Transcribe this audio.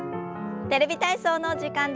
「テレビ体操」の時間です。